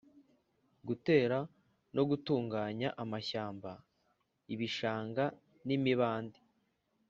gutera no gutunganya amashyamba, ibishanga n'imibande,